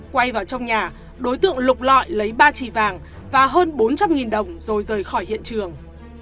quay vào trong nhà đối tượng lục lọi lấy ba trì vàng và hơn bốn trăm linh đồng rồi rời khỏi hiện trường